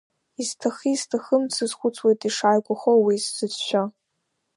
Исҭахы-исҭахым сазхәыцуеит ишааигәахо уи, сзыцәшәо…